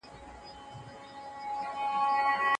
ماشوم د انا د ناڅاپي غوسې له امله ډېر وېرېدلی و.